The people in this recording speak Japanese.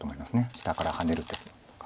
下からハネる手とか。